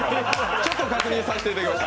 ちょっと確認させていただきました。